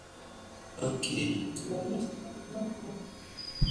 Ok, cool.